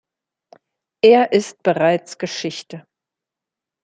Er ist bereits Geschichte.